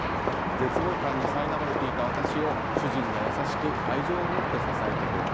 絶望感にさいなまれていた私を主人が優しく愛情を持って支えてくれた。